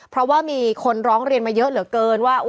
เพราะว่ามีคนร้องเรียนมาเยอะเหลือเกินว่า